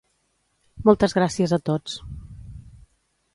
Moltes gràcies a tots